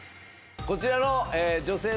こちらの女性